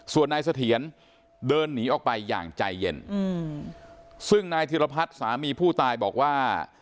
ส่วนนายเสถียรเดินหนีออกไปอย่างใจเย็นซึ่งนายธิรพัฒน์สามีผู้ตายบอกว่า